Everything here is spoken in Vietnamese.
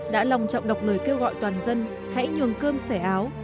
đã lòng trọng đọc lời kêu gọi toàn dân hãy nhường cơm sẻ áo